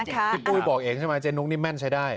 พี่ปุ้ยบอกเองใช่ไหมเจ๊นุกนี่แม่นใช้ได้